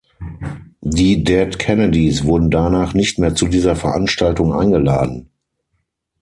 Die Dead Kennedys wurden danach nicht mehr zu dieser Veranstaltung eingeladen.